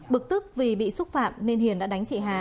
bực tức vì bị xúc phạm nên hiền đã đánh chị hà